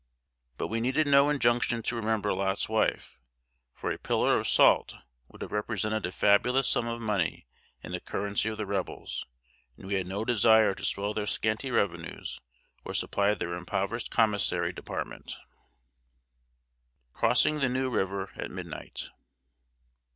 But we needed no injunction to remember Lot's wife; for a pillar of salt would have represented a fabulous sum of money in the currency of the Rebels; and we had no desire to swell their scanty revenues or supply their impoverished commissary department. [Sidenote: CROSSING THE NEW RIVER AT MIDNIGHT.